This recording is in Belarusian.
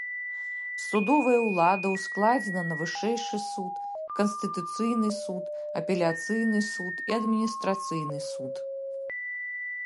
Судовая ўлада ўскладзена на вышэйшы суд, канстытуцыйны суд, апеляцыйны суд і адміністрацыйны суд.